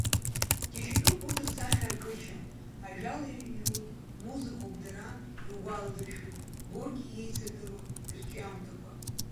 Џьашьатәуп урҭ рсахьаркышьа, ажәала иҩу музыкоуп дара, иугәаладыршәоит Горки еицырдыруа ирҿиамҭақәа.